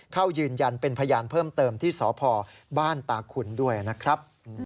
เข้ายืนยันเป็นพยานเพิ่มเติมที่สพบ้านตาขุนด้วยนะครับ